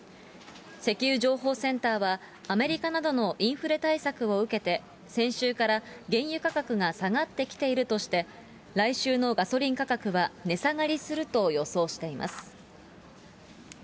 石油情報センターは、アメリカなどのインフレ対策を受けて、先週から原油価格が下がってきているとして、来週のガソリン価格は値下がりすると予想しています。